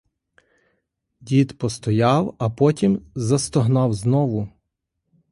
Дід постояв, а потім застогнав знову.